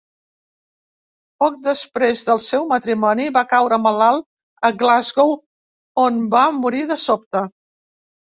Poc després del seu matrimoni, va caure malalt a Glasgow on va morir de sobte.